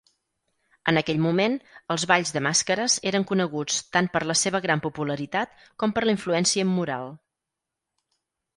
En aquell moment, els balls de màscares eren coneguts tant per la seva gran popularitat com per la influència immoral.